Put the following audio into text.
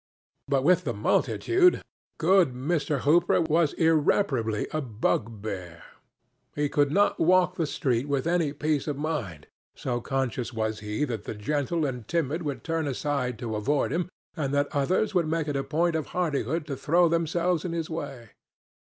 But with the multitude good Mr. Hooper was irreparably a bugbear. He could not walk the street with any peace of mind, so conscious was he that the gentle and timid would turn aside to avoid him, and that others would make it a point of hardihood to throw themselves in his way.